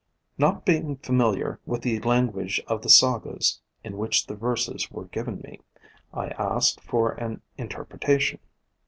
Not being familiar with the language of the Sagas, in which the verses were given me, I asked for an interpretation.